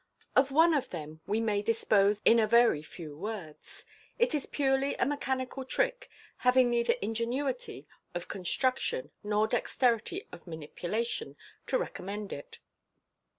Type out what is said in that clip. Of one of them we may dispose in a very few words. It is purely a mechanical trick, having neither ingenuity of construction nor dexterity of manipulation to recom mend it.